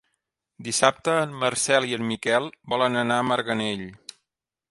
Dissabte en Marcel i en Miquel volen anar a Marganell.